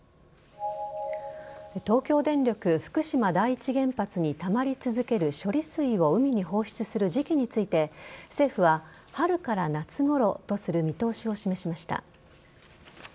東京電力福島第一原発にたまり続ける処理水を海に放出する時期について政府は春から夏ごろとする見通しを示しました。